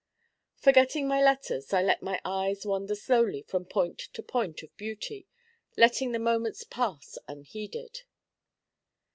Forgetting my letters, I let my eyes wander slowly from point to point of beauty, letting the moments pass unheeded.